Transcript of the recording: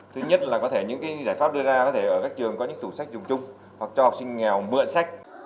thứ nhất là có thể những giải pháp đưa ra có thể ở các trường có những tủ sách dùng chung hoặc cho học sinh nghèo mượn sách